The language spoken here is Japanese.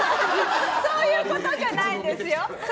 そういうことじゃないですよ！